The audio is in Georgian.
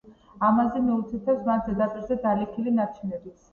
ამაზე მიუთითებს მათ ზედაპირზე დალექილი ნარჩენებიც.